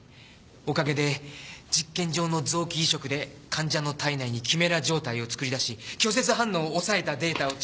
おかげで実験上の臓器移植で患者の体内にキメラ状態を作り出し拒絶反応を抑えたデータを。